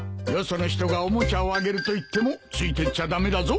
その人がおもちゃをあげると言ってもついてっちゃ駄目だぞ。